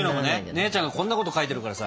姉ちゃんがこんなこと書いてるからさ。